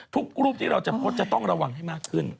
ทุกรูปที่เราจะพดจะต้องระวังให้มากขึ้น